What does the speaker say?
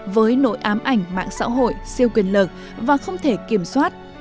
với nội ám ảnh mạng xã hội siêu quyền lực và không thể kiểm soát